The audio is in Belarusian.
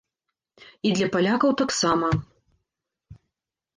І для палякаў таксама.